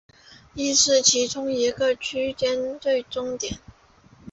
亦是其中一个区间车终点站。